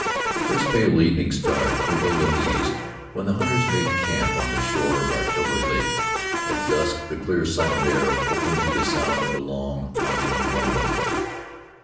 The first pale evening star twinkled in the east when the hunters made camp on the shore of Artillery Lake. At dusk the clear, silent air opened to the sound of a long, haunting mourn.